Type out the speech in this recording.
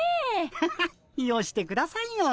ハハッよしてくださいよ。